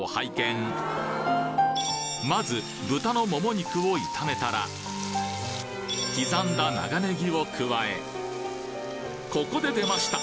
まず豚のもも肉を炒めたら刻んだ長ネギを加えここで出ました！